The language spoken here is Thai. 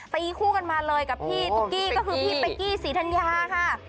ตีคู่กันมาเลยกับพี่ตุ๊กกี้ก็คือพี่เป๊กกี้ศรีธัญญาค่ะ